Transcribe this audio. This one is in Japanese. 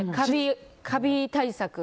カビ対策。